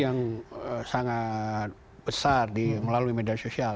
yang sangat besar melalui media sosial